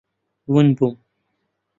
ون بووم.